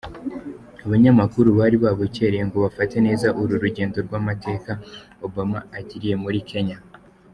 Abanyamakuru bari babukereye ngo bafate neza uru rugendo rw'amateka Obama agiriye muri Kenya.